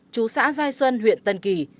chú xã giai xuân huyện tân kỳ